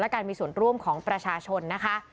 การมีส่วนร่วมของประชาชนนะคะ